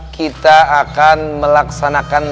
kita akan melaksanakan